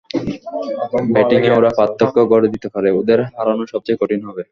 ব্যাটিংয়েই ওরা পার্থক্য গড়ে দিতে পারে, ওদের হারানোই সবচেয়ে কঠিন হবে।